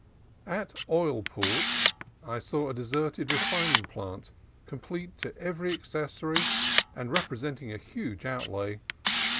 At Oilport I saw a deserted refining plant, complete to every accessory, and representing a huge outlay.